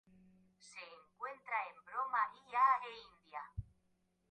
Se encuentra en Birmania e India.